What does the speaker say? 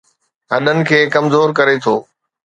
هڏن کي ڪمزور ڪري ٿو